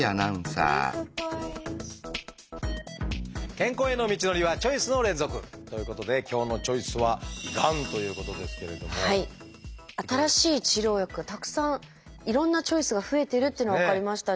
健康への道のりはチョイスの連続！ということで今日の「チョイス」は新しい治療薬がたくさんいろんなチョイスが増えてるっていうのが分かりましたね。